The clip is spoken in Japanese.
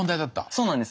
そうなんです。